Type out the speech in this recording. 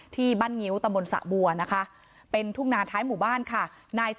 ที่บั้นเงี๊วตะบลสะบัวนะคะเป็นทุ่งนา้มไท้หมู่บ้านค่ะ